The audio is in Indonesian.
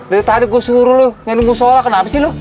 dari tadi gua suruh lu nyari mushollah kenapa sih lu